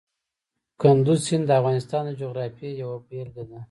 کندز سیند د افغانستان د جغرافیې یوه بېلګه ده.